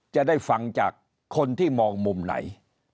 จะได้ฟังจากคนที่มองมุมไหน